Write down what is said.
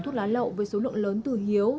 thuốc lá lậu với số lượng lớn từ hiếu